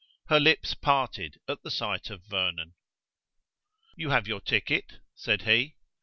Her lips parted at the sight of Vernon. "You have your ticket?" said he.